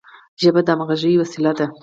ژبه د همږغی وسیله ده.